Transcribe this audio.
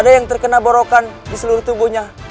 ada yang terkena borokan di seluruh tubuhnya